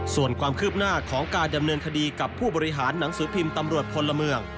ส่วนความคืบหน้าของการดำเนินคดีกับผู้บริหารหนังสือพิมพ์ตำรวจพลเมือง